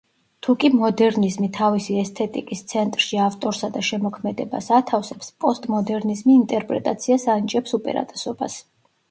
თუკი მოდერნიზმი თავისი ესთეტიკის ცენტრში ავტორსა და შემოქმედებას ათავსებს, პოსტმოდერნიზმი ინტერპრეტაციას ანიჭებს უპირატესობას.